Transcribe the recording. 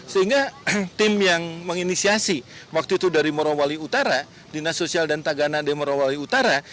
sehingga tim yang menginisiasi waktu itu dari morowali utara dinas sosial dan taganade morowali utara